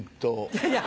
いやいや！